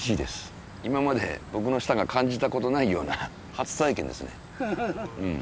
今まで僕の舌が感じた事ないような初体験ですね。